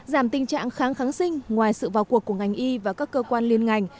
giảm tình trạng kháng kháng sinh ngoài sự vào cuộc của ngành y và các cơ quan liên ngành